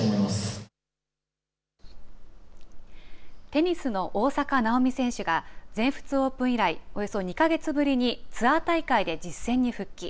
テニスの大坂なおみ選手が全仏オープン以来およそ２か月ぶりにツアー大会で実戦に復帰。